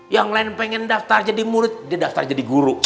yang lain pengen daftar jadi murid didaftar jadi guru